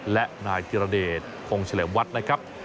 และนายธิรเดชคงเฉลิมวัดนะครับ